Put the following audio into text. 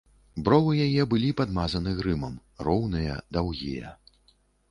Бровы яе былі падмазаны грымам, роўныя, даўгія.